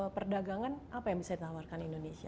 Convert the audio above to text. perdagangan apa yang bisa ditawarkan indonesia